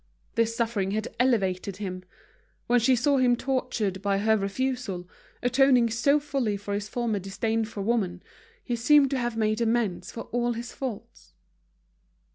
This suffering had elevated him. When she saw him tortured by her refusal, atoning so fully for his former disdain for woman, he seemed to have made amends for all his faults.